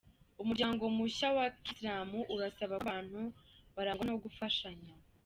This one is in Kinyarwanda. Umuryango mushya wa kisilamu urasaba ko abantu barangwa no gufashanya